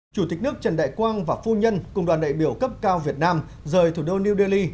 chủ tịch nước trần đại quang và phu nhân cùng đoàn đại biểu cấp cao việt nam rời thủ đô new delhi